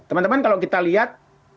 teman teman kalau kita lihat